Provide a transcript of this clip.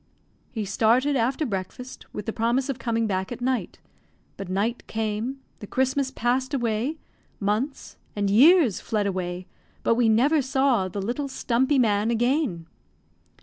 He started, after breakfast, with the promise of coming back at night; but night came, the Christmas passed away, months and years fled away, but we never saw the little stumpy man again!